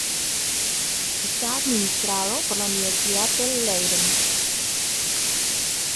Está administrado por la Universidad de Leiden.